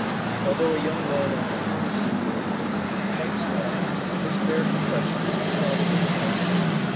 Although a young man only twenty three years of age, and quite stout, his fair complexion was decidedly against him.